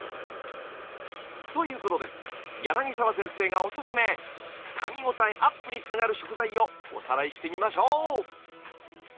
ということで柳沢先生がおすすめかみごたえアップにつながる食材をおさらいしてみましょう！